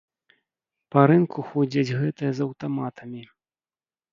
Па рынку ходзяць гэтыя з аўтаматамі.